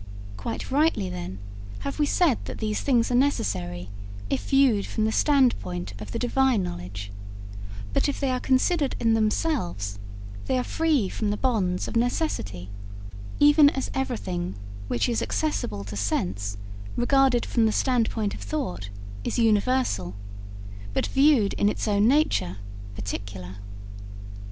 Quite rightly, then, have we said that these things are necessary if viewed from the standpoint of the Divine knowledge; but if they are considered in themselves, they are free from the bonds of necessity, even as everything which is accessible to sense, regarded from the standpoint of Thought, is universal, but viewed in its own nature particular.